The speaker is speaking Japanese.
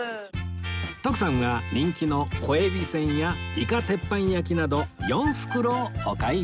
徳さんは人気のこえびせんやいか鉄板焼きなど４袋をお買い上げ